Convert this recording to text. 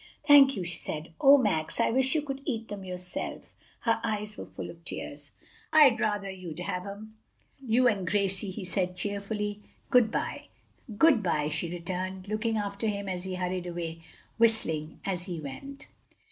"Thank you," she said. "O Max, I wish you could eat them yourself!" Her eyes were full of tears. "I'd rather you'd have 'em; you and Gracie," he said cheerfully. "Good by." "Good by," she returned, looking after him as he hurried away, whistling as he went.